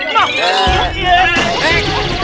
tangguh tangguh tangguh